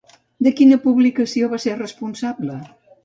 De quina publicació va ser responsable?